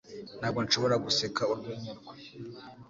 Ntabwo nshobora guseka urwenya rwe.